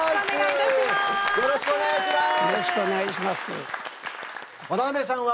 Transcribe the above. よろしくお願いします。